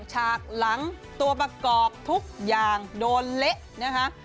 ฉากหลังตัวประกอบทุกอย่างโดนเละนะคะ